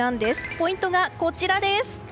ポイントがこちらです。